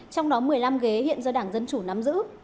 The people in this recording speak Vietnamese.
trong đó một mươi năm ghế hiện do đảng dân chủ nắm giữ